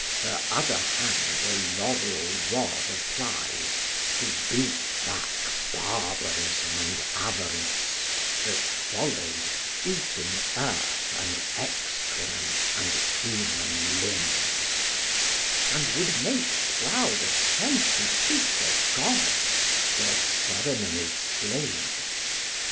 Her other hand a laurel rod applies, To beat back Barbarism and Avarice, That follow'd, eating earth and excrement And human limbs; and would make proud ascent To seats of gods, were Ceremony slain.